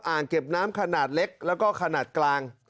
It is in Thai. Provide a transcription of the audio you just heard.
อ่างเก็บน้ำขนาดเล็กแล้วก็ขนาดกลาง